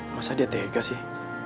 masa dia tega sih